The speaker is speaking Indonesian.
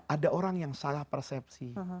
ada orang yang salah persepsi